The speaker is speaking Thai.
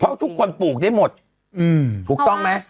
เพราะทุกคนปลูกได้หมดถูกต้องไหม